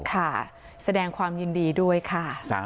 ค่ะแสดงความยินดีด้วยค่ะ